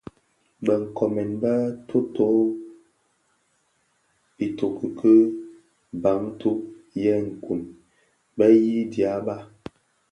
Bë nkoomèn bë tōtōghèn itoki ki bantu yè nkun, bë yii dyaba,